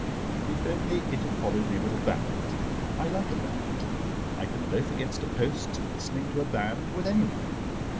If only it had followed me with a band: I like a band. I can loaf against a post, listening to a band with anyone.